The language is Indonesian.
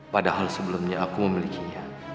padahal sebelumnya aku memilikinya